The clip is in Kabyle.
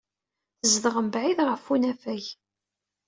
Tezdeɣ mebɛid ɣef unafag.